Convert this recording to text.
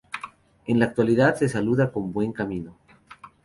En la actualidad se saluda con "buen Camino".